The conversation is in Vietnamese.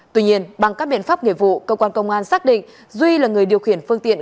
tuy nhiên bằng các biện pháp nghề vụ cơ quan công an xác định duy là người điều khiển phương tiện